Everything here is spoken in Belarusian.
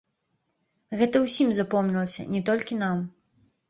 Гэта ўсім запомнілася, не толькі нам.